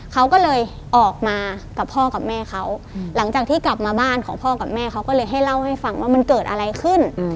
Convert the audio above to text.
เขาก็เลยออกมากับพ่อกับแม่เขาหลังจากที่กลับมาบ้านของพ่อกับแม่เขาก็เลยให้เล่าให้ฟังว่ามันเกิดอะไรขึ้น